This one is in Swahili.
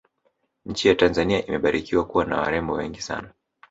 nchi ya tanzania imebarikiwa kuwa na warembo wengi sana